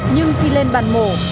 nhưng khi lên bàn mổ